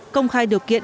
công khai điều kiện